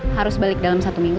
harus balik dalam satu minggu